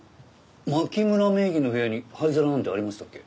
牧村名義の部屋に灰皿なんてありましたっけ？